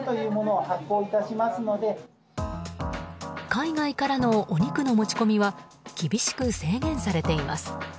海外からのお肉の持ち込みは厳しく制限されています。